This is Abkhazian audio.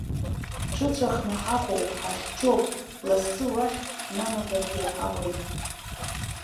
Ҳҽыҵәахны ҳаҟоуп, ҳахьчоуп, лассы уахь ҳнанагаргьы ауеит.